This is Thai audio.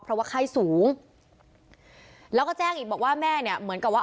เพราะว่าไข้สูงแล้วก็แจ้งอีกบอกว่าแม่เนี่ยเหมือนกับว่า